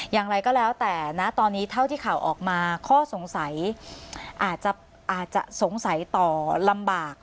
อย่างไรก็แล้วแต่นะตอนนี้เท่าที่ข่าวออกมาข้อสงสัยอาจจะสงสัยต่อลำบาก